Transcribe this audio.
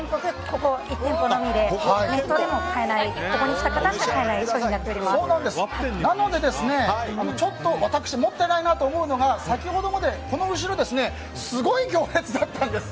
ここに来た方しかなので、私持ってないなと思うのが先ほどまで、この後ろにすごい行列だったんです。